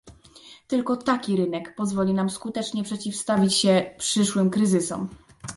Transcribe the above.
Tylko taki rynek pomoże nam skutecznie przeciwstawić się przyszłym kryzysom